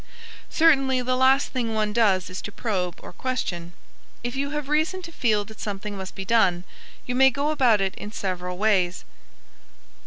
Certainly the last thing one does is to probe or question. If you have reason to feel that something must be done, you may go about it in several ways: 1.